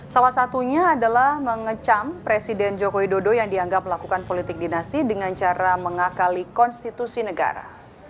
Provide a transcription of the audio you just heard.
salah satunya adalah mengecam presiden joko widodo yang dianggap melakukan politik dinasti dengan cara mengakali konstitusi negara